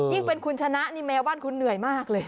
เป็นคุณชนะนี่แมวบ้านคุณเหนื่อยมากเลย